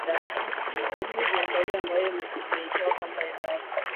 lakini kuna kauli ambayo ameitoa kwamba endapo